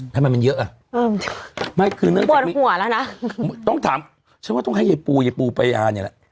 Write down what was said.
ทำไมมันเยอะอ่ะไม่คือเรื่องปวดหัวแล้วนะต้องถามฉันว่าต้องให้ยายปูยายปูปายาเนี่ยแหละ